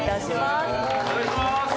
お願いします。